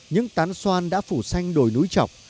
những tán xoan đã phủ xanh đồi núi chọc